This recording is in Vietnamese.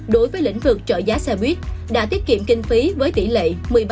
đối với lĩnh vực trợ giá xe buýt đã tiết kiệm kinh phí với tỷ lệ một mươi ba